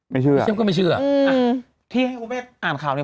ไม่เชื่อไม่เชื่อก็ไม่เชื่ออืมที่ให้คุณแม่อ่านข่าวเนี้ย